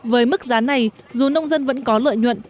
với mức giá này dù nông dân vẫn có lợi nhuận